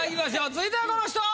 続いてはこの人。